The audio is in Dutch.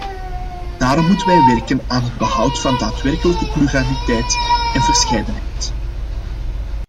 Daarom moeten wij werken aan het behoud van daadwerkelijke pluraliteit en verscheidenheid.